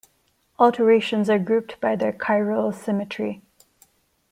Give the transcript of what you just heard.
Alternations are grouped by their chiral symmetry.